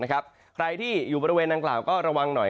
ใครที่อยู่บริเวณนางกล่าวก็ระวังหน่อย